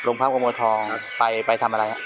โรงพักบางหมดทองไปทำอะไรครับ